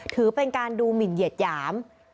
ถือเป็นการดูหมินเหยียดหยาม